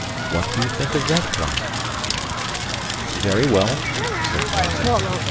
What do you think of that plan?" "Very well," said Tarzan.